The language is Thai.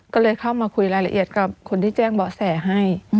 ก็เลยเข้ามาคุยรายละเอียดกับคนที่แจ้งเบาะแสให้